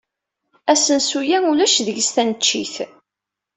Asensu-a ulac deg-s taneccit.